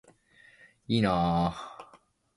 Females are smaller.